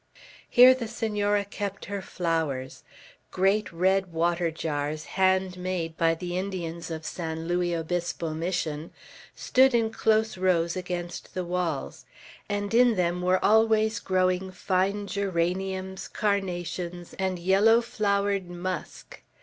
Here the Senora kept her flowers; great red water jars, hand made by the Indians of San Luis Obispo Mission, stood in close rows against the walls, and in them were always growing fine geraniums, carnations, and yellow flowered musk.